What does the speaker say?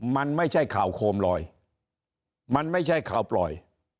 มันไม่ใช่ข่าวโคมลอยมันไม่ใช่ข่าวปล่อย